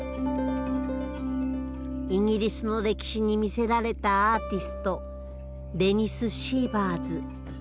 イギリスの歴史に魅せられたアーティストデニス・シーバーズ。